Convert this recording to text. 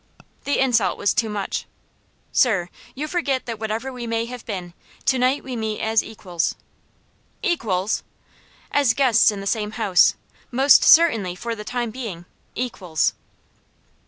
The insult was too much. "Sir, you forget that whatever we may have been, to night we meet as equals." "Equals!" "As guests in the same house most certainly for the time being, equals."